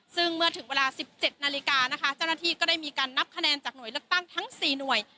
ซึ่งเมื่อถึงเวลา๑๗นาฬิกานะคะเจ้าหน้าที่ก็ได้มีการนับคะแนนจากหน่วยเลือกตั้งทั้ง๔หน่วย